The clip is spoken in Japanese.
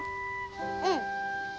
うん。